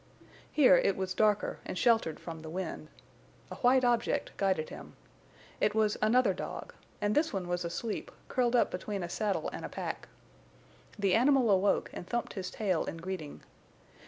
Here it was darker, and sheltered from the wind. A white object guided him. It was another dog, and this one was asleep, curled up between a saddle and a pack. The animal awoke and thumped his tail in greeting.